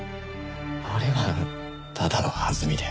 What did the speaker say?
あれはただの弾みで。